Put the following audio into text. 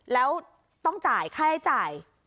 แล้วต้องจ่ายค่าใช้จ่าย